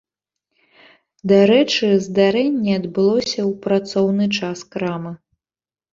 Дарэчы, здарэнне адбылося ў працоўны час крамы.